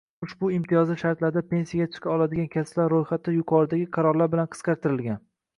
Ushbu imtiyozli shartlarda pensiyaga chiqa oladigan kasblar roʻyxati yuqoridagi qarorlar bilan qisqartirilgan.